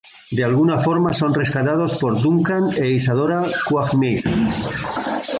De alguna forma son rescatados por Duncan e Isadora Quagmire.